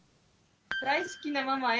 「大すきなママへ」。